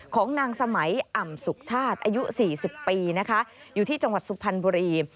ของนางสมัยอ่ำสุขชาติอายุ๔๐ปีนะคะอยู่ที่จังหวัดสุพรรณบุรี